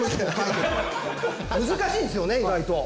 難しいんですよね意外と。